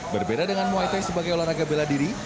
berbeda dengan muay thai sebagai olahraga bela diri